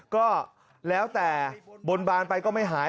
ก็แล้วแต่บนบานไปก็ไม่หาย